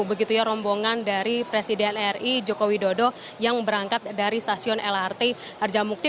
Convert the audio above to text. begitu ya rombongan dari presiden ri joko widodo yang berangkat dari stasiun lrt harjamukti